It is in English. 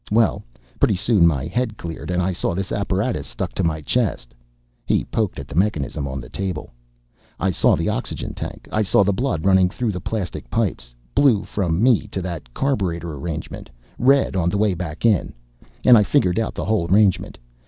Well, pretty soon my head cleared, and I saw this apparatus stuck to my chest." He poked at the mechanism on the table. "I saw the oxygen tank, I saw the blood running through the plastic pipes blue from me to that carburetor arrangement, red on the way back in and I figured out the whole arrangement.